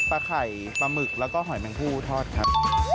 ปลาไข่ปลาหมึกแล้วก็หอยแมงพู่ทอดครับ